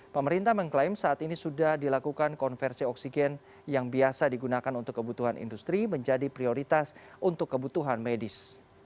pemerintah mengklaim saat ini sudah dilakukan konversi oksigen yang biasa digunakan untuk kebutuhan industri menjadi prioritas untuk kebutuhan medis